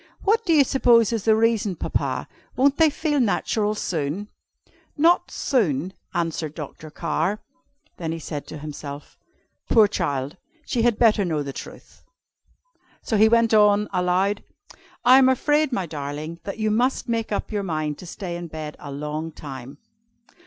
What do you suppose is the reason, Papa? Won't they feel natural soon?" "Not soon," answered Dr. Carr. Then he said to himself: "Poor child! she had better know the truth." So he went on, aloud, "I am afraid, my darling, that you must make up your mind to stay in bed a long time."